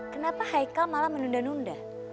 kenapa haikal malah menunda nunda